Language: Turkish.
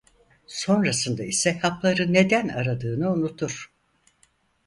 Sonrasında ise hapları neden aradığını unutur.